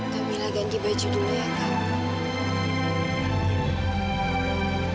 kamu mila ganti baju dulu ya kak